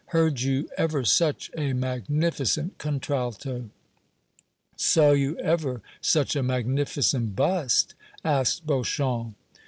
"Heard you ever such a magnificent contralto?" "Saw you ever such a magnificent bust?" asked Beauchamp.